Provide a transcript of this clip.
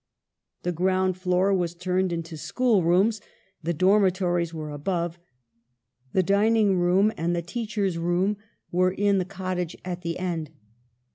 The ground floor was turned into school rooms, the dormitories were above, the dining room and the teachers' room were in the cottage at the end.